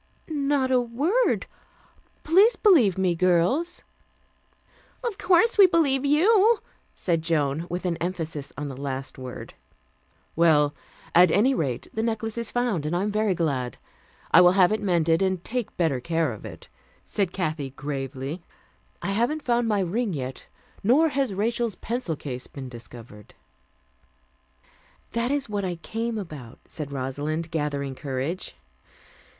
"Not a word. Please believe me, girls." "Of course we believe you," said Joan, with an emphasis on the last word. "Well, at any rate, the necklace is found, and I am very glad. I will have it mended, and take better care of it," said Kathy gravely. "I haven't found my ring yet, nor has Rachel's pencil case been discovered." "That is what I came about," said Rosalind, gathering courage.